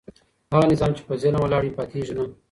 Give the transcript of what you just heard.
هغه نظام چي په ظلم ولاړ وي پاتیږي نه.